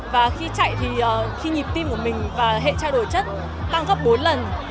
và khi chạy thì khi nhịp tim của mình và hệ trao đổi chất tăng gấp bốn lần